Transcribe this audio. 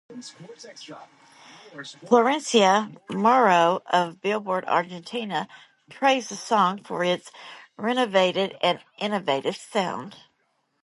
Florencia Mauro of "Billboard Argentina" praised the song for its "renovated and innovative sound".